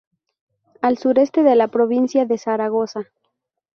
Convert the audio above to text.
Al sureste de la provincia de Zaragoza.